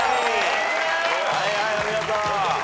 はいはいお見事。